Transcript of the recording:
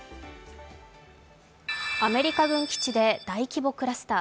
アメリカ軍基地で大規模クラスター。